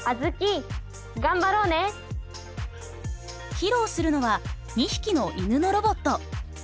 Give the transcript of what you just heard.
披露するのは２匹の犬のロボット。